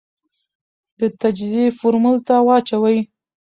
د تجزیې فورمول ته واچوې ،